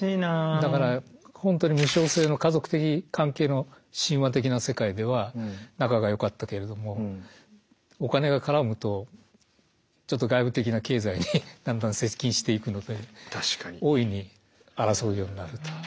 だから本当に無償性の家族的関係の親和的な世界では仲が良かったけれどもお金が絡むとちょっと外部的な経済にだんだん接近していくので大いに争うようになると。